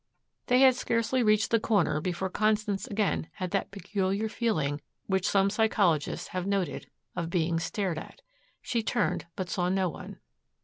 They had scarcely reached the corner before Constance again had that peculiar feeling which some psychologists have noted, of being stared at. She turned, but saw no one.